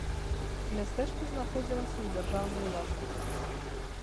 Мястэчка знаходзілася ў дзяржаўнай уласнасці.